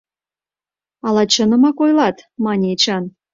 - Ала чынымак ойлат, - мане Эчан.